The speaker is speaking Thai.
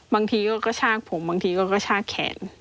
บางทีก็กระชากผมบางทีก็กระชากแขน